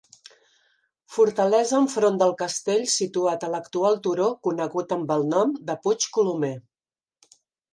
Fortalesa enfront del castell situat a l'actual turó conegut amb el nom de Puig Colomer.